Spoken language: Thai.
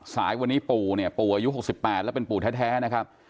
สายวันนี้ปู่เนี่ยปู่อายุ๖๘แล้วเป็นปู่แท้นะครับ